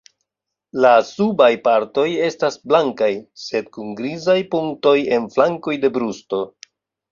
La subaj partoj estas blankaj, sed kun grizaj punktoj en flankoj de brusto.